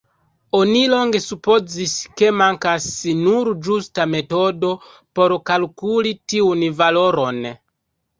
Oni longe supozis, ke mankas nur ĝusta metodo por kalkuli tiun valoron.